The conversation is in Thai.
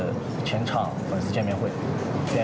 แล้วช่ายจุดกันกันในครั้งหน้าไหนละ